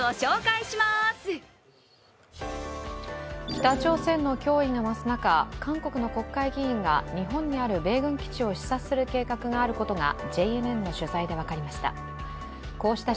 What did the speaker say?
北朝鮮の脅威が増す中韓国の国会議員が日本にある米軍基地を視察する計画があることがＪＮＮの取材で分かりました。